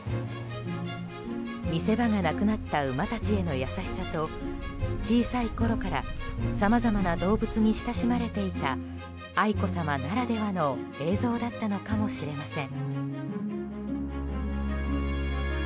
見せ場がなくなった馬たちへの優しさと小さいころからさまざまな動物に親しまれていた愛子さまならではの映像だったのかもしれません。